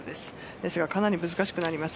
ですが、かなり難しくなります。